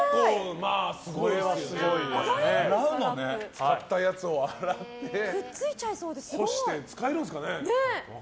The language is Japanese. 使ったやつを洗って干して使えるんですかね。